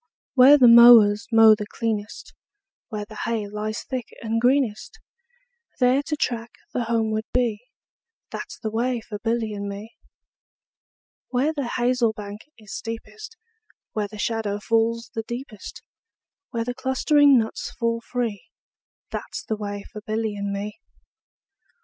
Where the mowers mow the cleanest, Where the hay lies thick and greenest, 10 There to track the homeward bee, That 's the way for Billy and me. Where the hazel bank is steepest, Where the shadow falls the deepest, Where the clustering nuts fall free, 15 That 's the way for Billy and me.